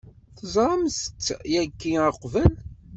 Teẓramt-tt yagi uqbel?